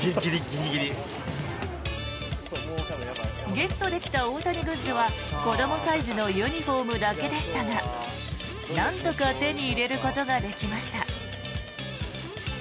ゲットできた大谷グッズは子どもサイズのユニホームだけでしたがなんとか手に入れることができました。